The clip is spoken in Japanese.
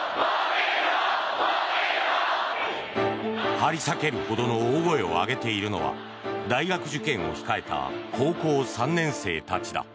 張り裂けるほどの大声を上げているのは大学受験を控えた高校３年生たちだ。